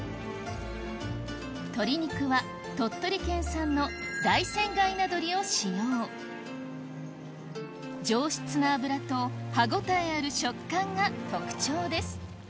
鶏肉は鳥取県産のを使用上質な脂と歯応えある食感が特徴です